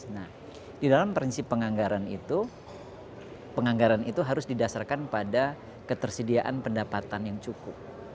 nah di dalam prinsip penganggaran itu penganggaran itu harus didasarkan pada ketersediaan pendapatan yang cukup